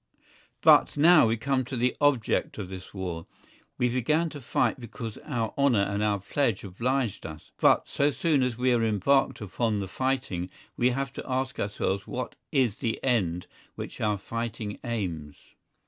But now we come to the object of this war. We began to fight because our honour and our pledge obliged us; but so soon as we are embarked upon the fighting we have to ask ourselves what is the end at which our fighting aims.